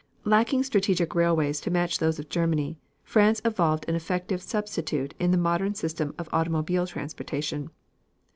Lacking strategic railways to match those of Germany, France evolved an effective substitute in the modern system of automobile transportation.